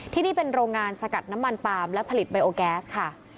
ที่นี่เป็นโรงงานสกัดน้ำมันปาล์มและผลิตไบโอแก๊สค่ะ